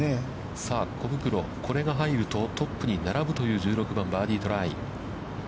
さあ小袋、これが入ると、トップに並ぶという１６番バーディートライ。